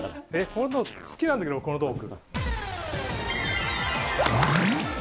このトーク好きなんだけどこのトーク。